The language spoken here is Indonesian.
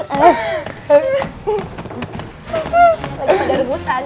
apa lagi pada rebutan ya